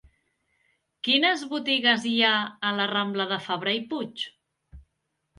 Quines botigues hi ha a la rambla de Fabra i Puig?